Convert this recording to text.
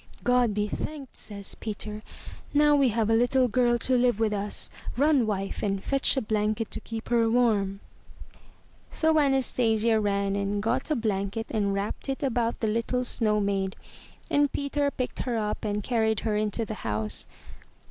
"God be thanked," says Peter. "Now we have a little girl to live with us! Run, wife, and fetch a blanket to keep her warm." So Anastasia ran and got a blanket and wrapped it about the little snow maid, and Peter picked her up and carried her into the house.